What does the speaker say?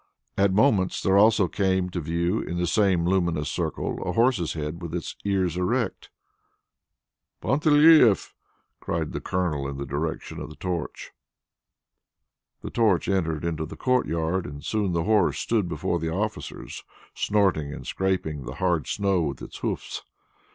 At moments there also came to view in the same luminous circle a horse's head with its ears erect. "Panteleieff!" cried the Colonel in the direction of the torch. The torch entered into the courtyard, and soon the horse stood before the officers, snorting and scraping the hard snow with its hoofs.